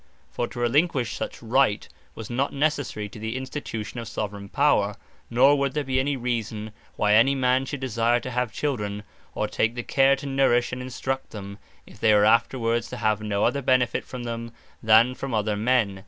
For to relinquish such right, was not necessary to the Institution of Soveraign Power; nor would there be any reason, why any man should desire to have children, or take the care to nourish, and instruct them, if they were afterwards to have no other benefit from them, than from other men.